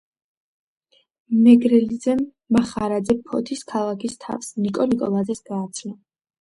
მეგრელიძემ მახარაძე ფოთის ქალაქის თავს, ნიკო ნიკოლაძეს გააცნო.